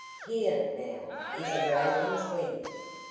Here, now, is a raven's wing.